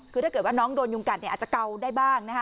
คือถ้าเกิดว่าน้องโดนยุงกัดเนี่ยอาจจะเกาได้บ้างนะคะ